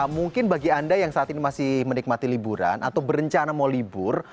mungkin bagi anda yang saat ini masih menikmati liburan atau berencana mau libur